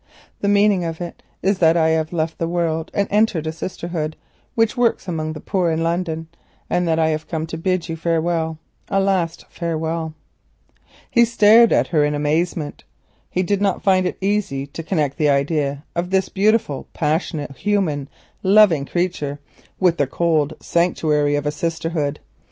"The meaning of it is that I have left the world and entered a sisterhood which works among the poor in London, and I have come to bid you farewell, a last farewell." He stared at her in amazement. He did not find it easy to connect the idea of this beautiful, human, loving creature with the cold sanctuary of a sisterhood.